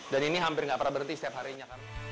dan ini hampir nggak pernah berhenti setiap harinya